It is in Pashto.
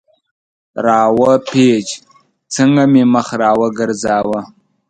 را و پېچ، څنګه مې مخ را وګرځاوه.